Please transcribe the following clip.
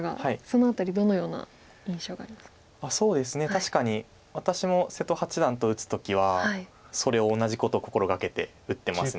確かに私も瀬戸八段と打つ時はそれを同じことを心掛けて打ってます。